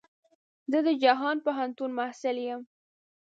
زه د جهان پوهنتون محصل يم.